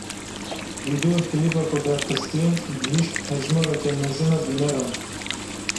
Vîdeoklîba ku derxistiye gihîşt hejmareke mezin a bîneran.